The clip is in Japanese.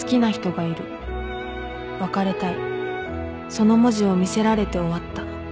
その文字を見せられて終わった